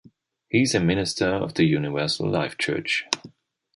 He is a Minister of the Universal Life Church.